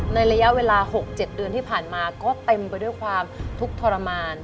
ระยะเวลา๖๗เดือนที่ผ่านมาก็เต็มไปด้วยความทุกข์ทรมาน